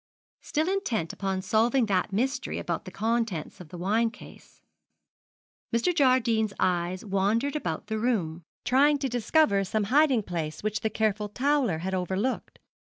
Still intent upon solving that mystery about the contents of the wine case, Mr. Jardine's eyes wandered about the room, trying to discover some hiding place which the careful had overlooked.